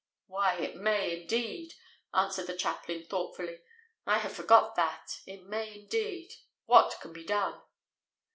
"Why, it may, indeed," answered the chaplain thoughtfully. "I had forgot that. It may indeed. What can be done?"